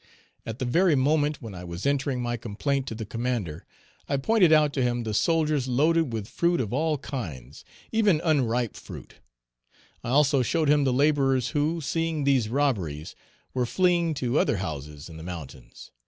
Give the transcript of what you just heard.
At the very moment when I was entering my complaint to the commander, I pointed out to him the soldiers loaded with fruit of all kinds, even unripe fruit; I also showed him the laborers who, seeing these robberies, were fleeing to other houses in the mountains.